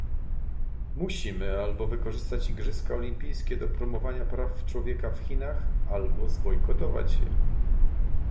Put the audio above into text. Musimy albo wykorzystać igrzyska olimpijskie do promowania praw człowieka w Chinach, albo zbojkotować je